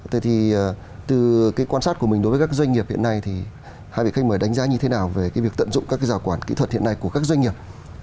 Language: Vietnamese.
thế thì từ cái quan sát của mình đối với các doanh nghiệp hiện nay thì hai vị khách mời đánh giá như thế nào về cái việc tận dụng các cái rào quản kỹ thuật hiện nay của các doanh nghiệp